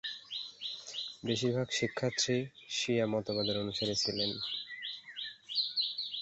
বেশিরভাগ শিক্ষার্থী শিয়া মতবাদের অনুসারী ছিলেন।